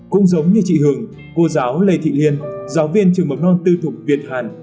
cũng giống như chị hường cô giáo lê thị liên giáo viên trường mầm non tư thục việt hàn